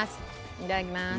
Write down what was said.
いただきます。